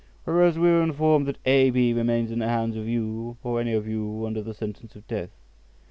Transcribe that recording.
Whereas we are informed that A. B. remains in the hands of you, or any of you, under the sentence of death.